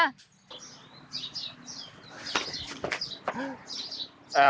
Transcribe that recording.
ออกไปเลย